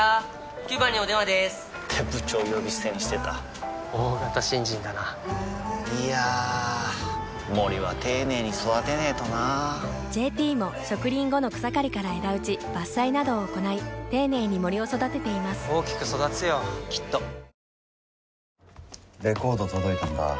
９番にお電話でーす！って部長呼び捨てにしてた大型新人だないやー森は丁寧に育てないとな「ＪＴ」も植林後の草刈りから枝打ち伐採などを行い丁寧に森を育てています大きく育つよきっとレコード届いたんだ